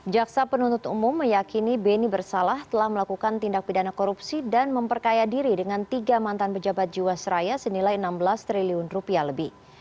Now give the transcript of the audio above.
jaksa penuntut umum meyakini beni bersalah telah melakukan tindak pidana korupsi dan memperkaya diri dengan tiga mantan pejabat jiwasraya senilai enam belas triliun rupiah lebih